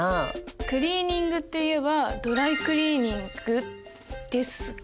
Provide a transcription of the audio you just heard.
クリーニングっていえばドライクリーニングですか？